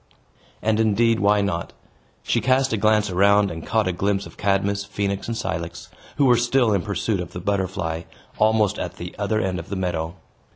And, indeed, why not? She cast a glance around, and caught a glimpse of Cadmus, Phoenix, and Cilix, who were still in pursuit of the butterfly, almost at the other end of the meadow.